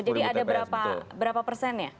jadi ada berapa persennya